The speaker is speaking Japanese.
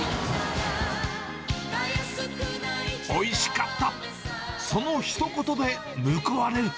おいしかった。